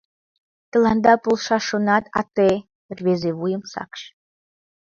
— Тыланда полшаш шонат, а те... — рвезе вуйым сакыш.